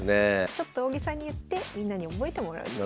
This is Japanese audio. ちょっと大げさに言ってみんなに覚えてもらうっていう。